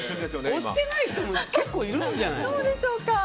押してない人も結構いるんじゃない？